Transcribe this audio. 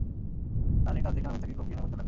তার এ কাজ দেখে আমি তাকে খুব ঘৃণা করতে লাগলাম।